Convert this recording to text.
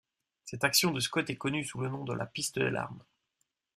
Cette action de Scott est connue sous le nom de la Piste des larmes.